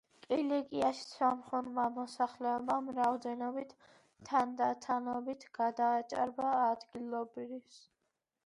კილიკიაში სომხურმა მოსახლეობამ რაოდენობით თანდათანობით გადააჭარბა ადგილობრივს.